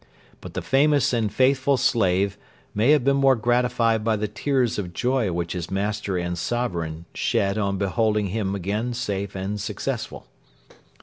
But the famous and faithful slave may have been more gratified by the tears of joy which his master and sovereign shed on beholding him again safe and successful.